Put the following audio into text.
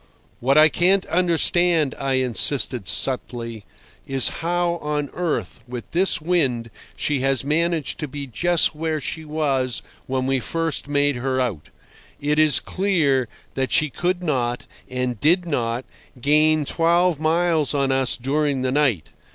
"What I can't understand," I insisted subtly, "is how on earth, with this wind, she has managed to be just where she was when we first made her out. It is clear that she could not, and did not, gain twelve miles on us during the night.